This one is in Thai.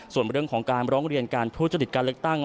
ส่วนเรื่องของการร้องเรียนการทุจริตการเลือกตั้ง